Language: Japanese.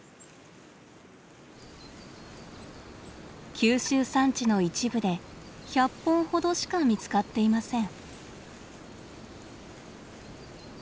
九州山地の一部で１００本ほどしか見つかっていません。